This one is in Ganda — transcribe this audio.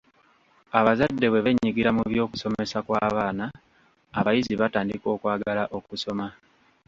Abazadde bwe beenyigira mu by'okusoma kw'abaana, abayizi batandika okwagala okusoma.